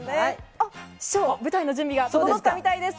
あっ、師匠、舞台の準備が整ったみたいです。